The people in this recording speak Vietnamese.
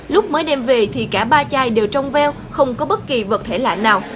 lúc mới đem về thì cả ba chai đều trong veo không có bất kỳ vật thể lạ nào